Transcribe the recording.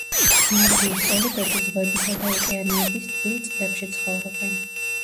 მარჯნის პოლიპები ზღვებისა და ოკეანეების თბილ წყლებში ცხოვრობენ.